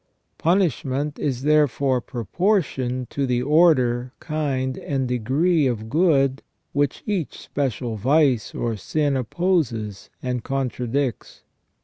Punishment is therefore proportioned to the order, kind, and degree of good which each special vice or sin opposes and contradicts.